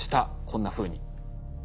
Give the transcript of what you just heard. こんなふうに。